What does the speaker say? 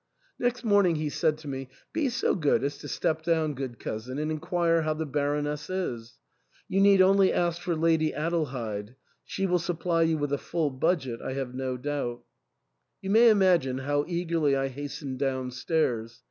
Next morning he said to me, " Be so good as to step down, good cousin, and inquire how the Baroness is. You need only ask for Lady Adelheid ; she will supply you with a full budget, I have no doubt." You may imagine how eagerly I hastened downstairs.